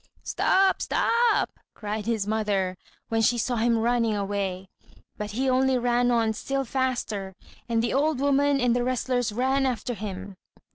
"Stop, stop!" cried his mother, when she saw him running away. But he only ran on still faster, and the old woman and the wrestlers ran after him.